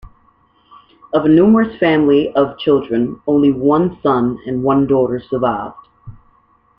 Of a numerous family of children only one son and one daughter survived.